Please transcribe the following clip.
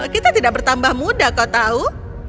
kita tidak bertambah muda kau tahu